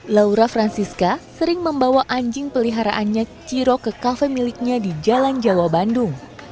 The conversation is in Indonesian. laura francisca sering membawa anjing peliharaannya ciro ke kafe miliknya di jalan jawa bandung